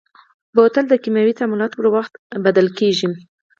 بوتل د کیمیاوي تعاملاتو پر وخت بدلول کېږي.